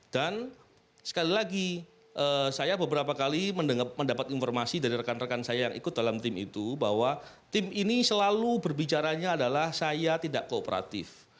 sekali lagi saya beberapa kali mendapat informasi dari rekan rekan saya yang ikut dalam tim itu bahwa tim ini selalu berbicaranya adalah saya tidak kooperatif